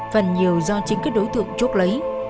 phần nhiều do chính cái đối tượng chốt lấy